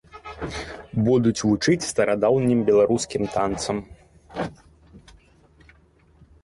Будуць вучыць старадаўнім беларускім танцам.